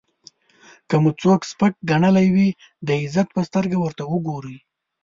که مو څوک سپک ګڼلی وي د عزت په سترګه ورته وګورئ.